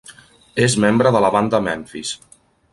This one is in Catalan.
És membre de la banda Memphis.